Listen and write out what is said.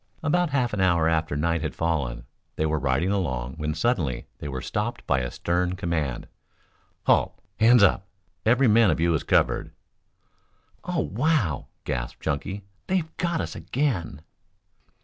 About half an hour after night had fallen, they were riding along when suddenly they were stopped by a stern command. "Halt! Hands up! Every man of you is covered!" "Oh, wow!" gasped Chunky. "They've got us again."